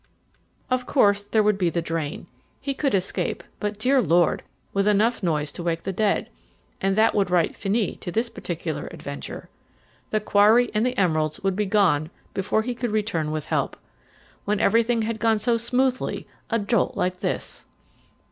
Of course there would be the drain. He could escape; but, dear Lord! with enough noise to wake the dead. And that would write "Finis" to this particular adventure. The quarry and the emeralds would be gone before he could return with help. When everything had gone so smoothly a jolt like this!